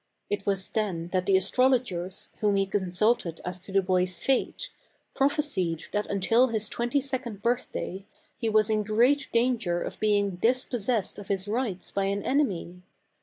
It was then that the astrolo gers, whom he consulted as to the boy's fate, prophesied that until his twenty second birthday, he was in great danger of being dispossessed of his rights by an enemy.